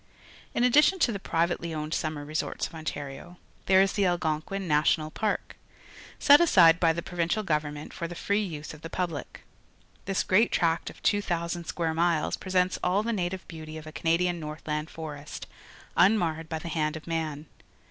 In addition to the privatelj^ owned summer resorts of Ontario, there is the Algonquin National Park, set aside by the Pro\'incial Government for the free use of the pubUc. This great tract of 2,000 square miles presents all the native beautj' of a Canadian northland forest, unmarred by the hand of man.